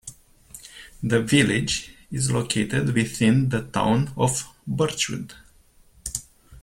The village is located within the Town of Birchwood.